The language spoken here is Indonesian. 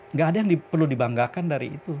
nggak ada yang perlu dibanggakan dari itu